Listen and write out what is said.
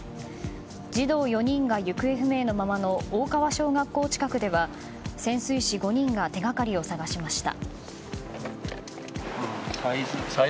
児童４人が行方不明のままの大川小学校近くでは潜水士５人が手掛かりを捜しました。